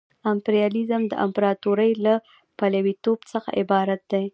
امپریالیزم د امپراطورۍ له پلویتوب څخه عبارت دی